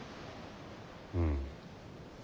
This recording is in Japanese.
うん。